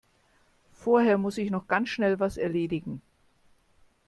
Vorher muss ich noch ganz schnell was erledigen.